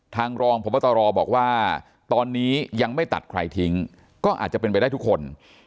รองพบตรบอกว่าตอนนี้ยังไม่ตัดใครทิ้งก็อาจจะเป็นไปได้ทุกคน